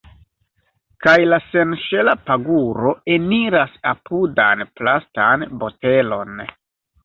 Kaj la senŝela paguro eniras apudan plastan botelon.